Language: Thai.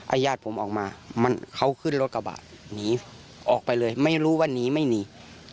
ญาติผมออกมามันเขาขึ้นรถกระบะหนีออกไปเลยไม่รู้ว่าหนีไม่หนี